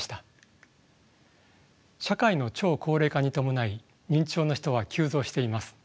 社会の超高齢化に伴い認知症の人は急増しています。